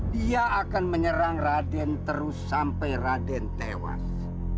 dia akan menyerang raden terus sampai raden tewas